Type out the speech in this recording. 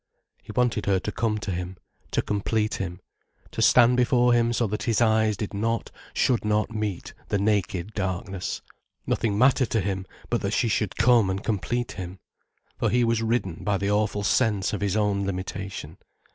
He wanted her to come to him, to complete him, to stand before him so that his eyes did not, should not meet the naked darkness. Nothing mattered to him but that she should come and complete him. For he was ridden by the awful sense of his own limitation.